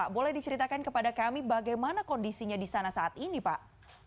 boleh diceritakan kepada kami bagaimana kondisinya di sana saat ini pak